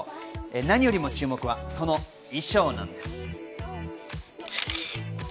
何より注目はその衣装です。